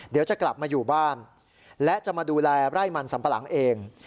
เดี๋ยวจะกลับมาอยู่บ้านและจะมาดูแลไร่มันสัมปะหลังเอง